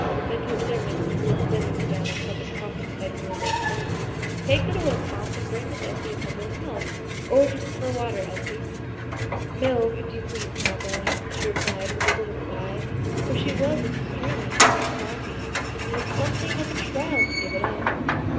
Then to a servant who was setting down a cup of coffee beside the little girl's plate, "Take that away, Pomp, and bring Miss Elsie a tumbler of milk. Or would you prefer water, Elsie?" "Milk, if you please, papa," she replied with a little sigh; for she was extremely fond of coffee, and it was something of a trial to give it up.